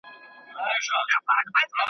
ځم راته یو څوک په انتظار دی بیا به نه وینو `